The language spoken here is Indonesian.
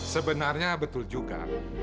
sebenarnya betul juga